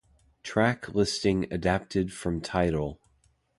Track listing adapted from Tidal